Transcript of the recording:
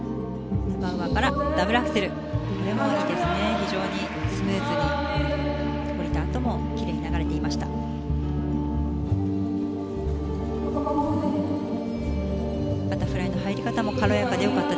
非常にスムーズで降りたあともきれいに流れていました。